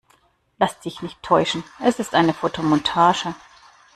Lass dich nicht täuschen, es ist eine Fotomontage.